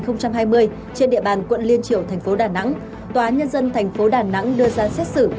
năm hai nghìn hai mươi trên địa bàn quận liên triều thành phố đà nẵng tòa nhân dân thành phố đà nẵng đưa ra xét xử